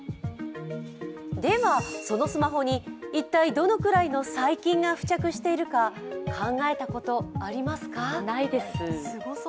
ではそのスマホに一体どのくらいの細菌が付着しているか考えたこと、ありますか？